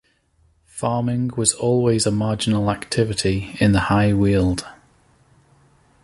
Farming was always a marginal activity in the High Weald.